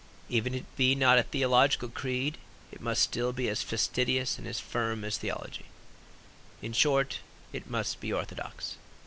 Even if it be not a theological creed, it must still be as fastidious and as firm as theology. In short, it must be orthodox.